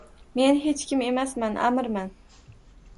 Men hech kim emasman – Amirman